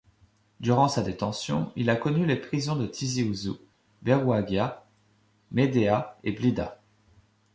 Durant sa détention, il a connu les prisons de Tizi-Ouzou, Berrouaghia, Médéa et Blida.